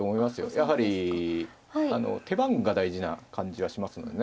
やはりあの手番が大事な感じがしますのでね。